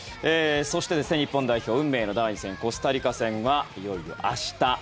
そして、日本代表運命の第２戦、コスタリカ戦はいよいよ明日。